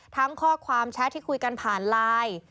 ข้อความแชทที่คุยกันผ่านไลน์